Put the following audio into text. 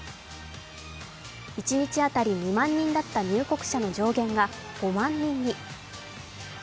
一日当たり２万人だった入国者の上限が５万人に。